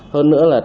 hơn nữa là